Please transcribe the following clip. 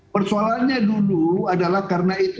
persoalannya dulu adalah karena itu